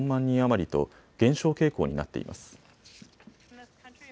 人余りと減少傾向になっています。